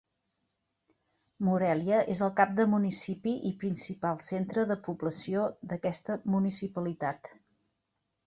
Morelia és el cap de municipi i principal centre de població d'aquesta municipalitat.